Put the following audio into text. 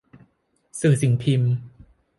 สื่อสิ่งพิมพ์